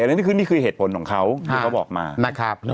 นี่คือเหตุผลของเขาที่เขาบอกมา